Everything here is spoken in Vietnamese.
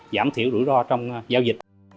giảm thiểu rủi ro trong giao dịch